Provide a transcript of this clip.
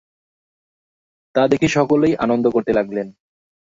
তা দেখে সকলেই আনন্দ করতে লাগলেন।